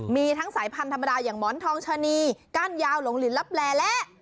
มีทั้งสายพันธุ์ธรรมดาอย่างหมอนทองชะนีก้านยาวหลงลินลับแลและ